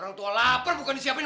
orang tua lapar bukan disiapin